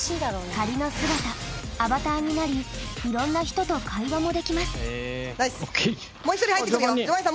仮の姿アバターになりいろんな人と会話もできます。